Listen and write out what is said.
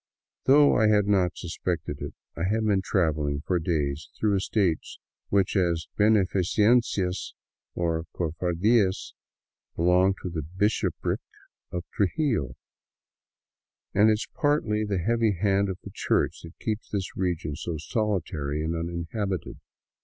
Though I had not suspected it, I had been traveling for days through estates which, as heneiicencias or cofardias, belong to the bishopric of Trujillo, and it is partly the heavy hand of the Church that keeps this region so solitary and uninhabited.